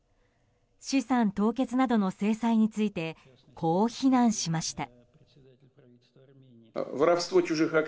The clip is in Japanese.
資産凍結などの制裁についてこう非難しました。